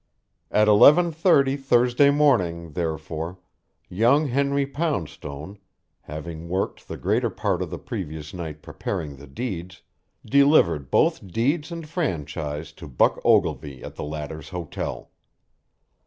At eleven thirty Thursday morning, therefore, young Henry Poundstone, having worked the greater part of the previous night preparing the deeds, delivered both deeds and franchise to Buck Ogilvy at the latter's hotel.